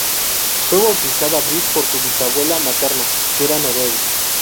Fue bautizada Brit por su bisabuela materna, que era noruega.